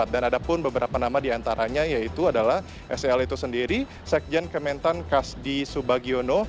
dan ada pun beberapa nama diantaranya yaitu adalah sel itu sendiri sekjen kementan kasdi subagiono